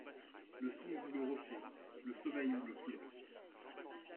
Le songe ou le rocher, le sommeil ou le flot